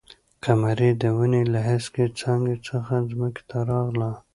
قمري د ونې له هسکې څانګې څخه ځمکې ته راغله.